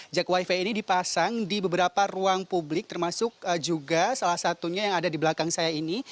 jak wifi ini dipasang di beberapa ruang publik termasuk juga salah satunya yang ada di belakang saya ini